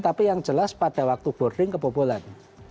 tapi yang jelas pada waktu boarding kebobolan